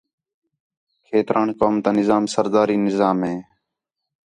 کھیتران قوم تا نظام سرداری نظام ہے